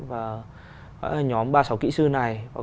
và nhóm ba sáu kỹ sư này